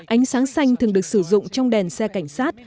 ánh sáng xanh thường được sử dụng trong đèn xe cảnh sát